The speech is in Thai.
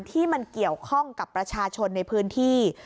ที่มันเกี่ยวข้องกับประชาชนในพื้นที่